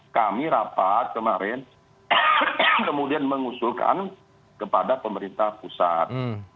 kami rapat kemarin kemudian mengusulkan kepada pemerintah pusat